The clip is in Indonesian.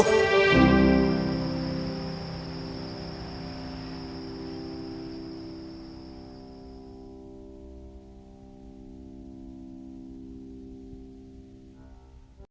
kau akan kembali ke rumah